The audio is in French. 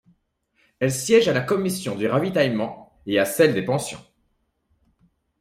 Elle siège à la commission du ravitaillement et à celle des pensions.